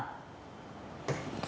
theo kết quả